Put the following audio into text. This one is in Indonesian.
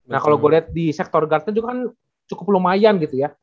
nah kalo gue liat di sektor guard nya juga kan cukup lumayan gitu ya